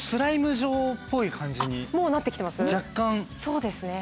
若干なってきてますね。